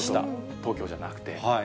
東京じゃなくて。